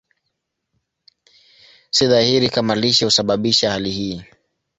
Si dhahiri kama lishe husababisha hali hii.